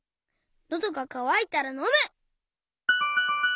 のどがかわいたらのむ！